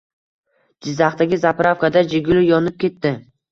Jizzaxdagi zapravkada “Jiguli” yonib ketdi